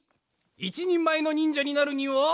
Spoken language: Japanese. いちにんまえのにんじゃになるには。